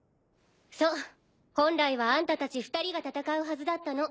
そう本来はアンタたち２人が戦うはずだったの。